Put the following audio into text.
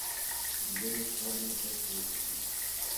Vivió en España el resto de sus días.